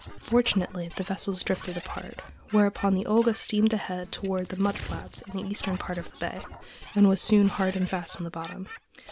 Fortunately, the vessels drifted apart, whereupon the Olga steamed ahead toward the mud flats in the eastern part of the bay, and was soon hard and fast on the bottom.